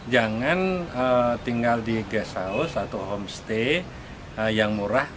jangan tinggal di gast house atau homestay yang murah